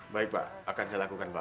baik pak akan saya lakukan pak